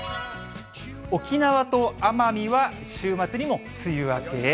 沖縄と奄美は週末にも梅雨明けへ。